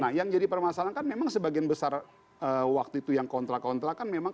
nah yang jadi permasalahan kan memang sebagian besar waktu itu yang kontra kontra kan memang